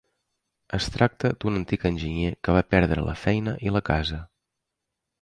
Es tracta d’un antic enginyer que va perdre la feina i la casa.